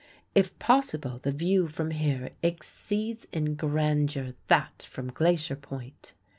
If possible, the view from here exceeds in grandeur that from Glacier Point.